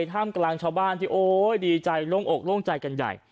ท่ามกลางชาวบ้านที่โอ้ยดีใจโล่งอกโล่งใจกันใหญ่